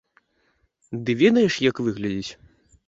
Ды ведаеш, як выглядзіць?